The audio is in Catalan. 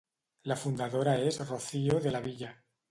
La fundadora és Rocío de la Villa.